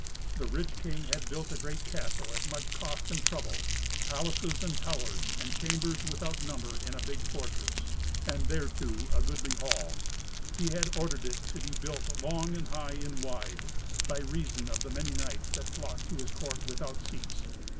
The rich king had built a great castle at much cost and trouble—palaces, and towers, and chambers without number, in a big fortress, and thereto a goodly hall. He had ordered it to be built long and high and wide, by reason of the many knights that flocked to his court without cease.